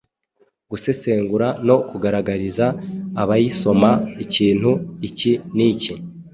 gusesengura no kugaragariza abayisoma ikintu iki n’iki